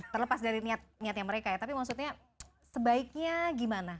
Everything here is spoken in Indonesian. terlepas dari niat niatnya mereka ya tapi maksudnya sebaiknya gimana